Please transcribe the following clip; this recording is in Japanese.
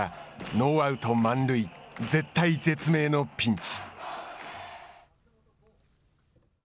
ノーアウト、満塁絶体絶命のピンチ。